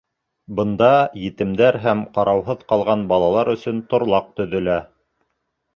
Бында етемдәр һәм ҡарауһыҙ ҡалған балалар өсөн торлаҡ төҙөлә.